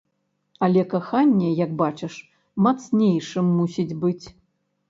Але каханне, як бачыш, мацнейшым мусіць быць.